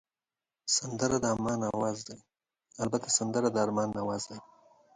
سندره د ارمان آواز دی